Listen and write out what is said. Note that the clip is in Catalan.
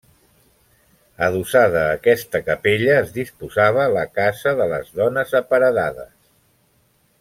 Adossada a aquesta capella es disposava la casa de les dones aparedades.